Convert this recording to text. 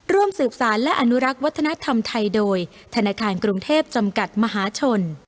ร่วมสืบสารและอนุรักษ์วัฒนธรรมไทยโดยธนาคารกรุงเทพจำกัดมหาชน